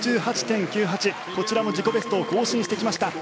こちらも自己ベストを更新してきました。